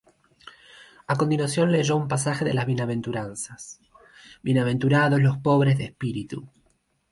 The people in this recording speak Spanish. A continuación leyó un pasaje de las bienaventuranzas: "Bienaventurados los pobres de espíritu...".